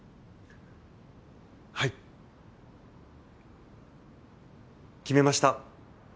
はい決めました。